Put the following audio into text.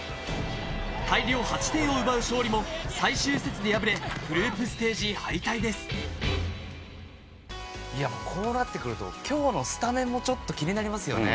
大量８点を奪う勝利も最終節で敗れ、こうなってくると今日のスタメンもちょっと気になりますよね。